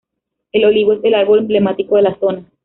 El olivo es el árbol emblemático de la zona.